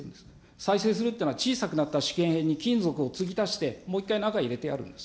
再生するというのは、小さくなった試験片に金属を継ぎ足して、もう一回、中に入れてやるんです。